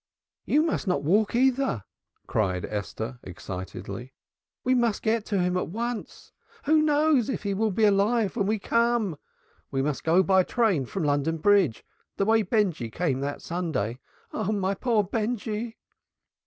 "Thou must not walk, either!" cried Esther excitedly. "We must get to him at once! Who knows if he will be alive when we come? We must go by train from London Bridge the way Benjy came that Sunday. Oh, my poor Benjy!"